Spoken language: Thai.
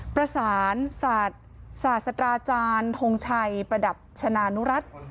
ประสานศาสตราอาจารย์ทงชัยประดับชนานุรัติ